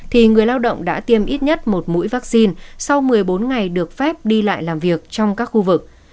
thì người lao động đã tiêm ít nhất một mũi vaccine sau một mươi bốn ngày được phép đi lại làm việc trong các khu vực